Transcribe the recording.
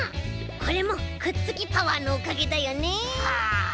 これもくっつきパワーのおかげだよね。